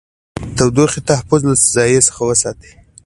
د تودوخې تحفظ له ضایع کېدو څخه ساتنه ده.